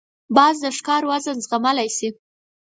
باز د ښکار وزن زغملای شي